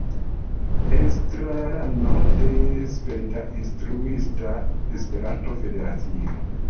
Estrarano de Sveda Instruista Esperanto-Federacio.